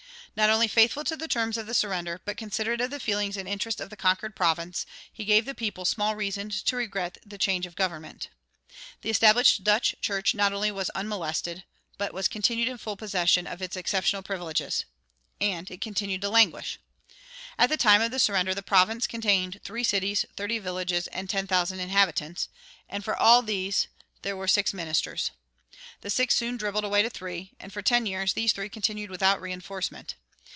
Not only faithful to the terms of the surrender, but considerate of the feelings and interests of the conquered province, he gave the people small reason to regret the change of government. The established Dutch church not only was not molested, but was continued in full possession of its exceptional privileges. And it continued to languish. At the time of the surrender the province contained "three cities, thirty villages, and ten thousand inhabitants,"[78:1] and for all these there were six ministers. The six soon dribbled away to three, and for ten years these three continued without reinforcement.